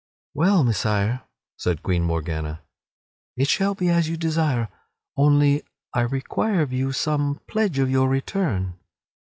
"Well, Messire," said Queen Morgana, "it shall be as you desire, only I require of you some pledge of your return."